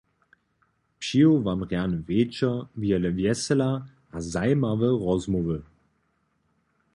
Přeju wam rjany wječor, wjele wjesela a zajimawe rozmołwy.